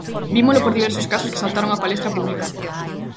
Vímolo por diversos casos que saltaron á palestra pública.